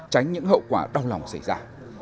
tránh những hậu quả đau lòng xảy ra